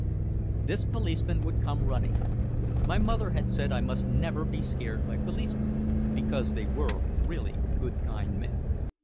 This policeman would come running. My mother had said I must never be scared by policemen, because they were really good kind men.